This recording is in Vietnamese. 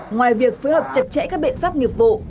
ngoài việc phối hợp chặt chẽ các biện pháp nghiệp vụ